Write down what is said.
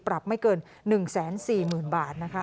ปรับไม่เกิน๑๔๐๐๐บาทนะคะ